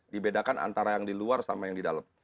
dibedakan antara yang di luar sama yang di dalam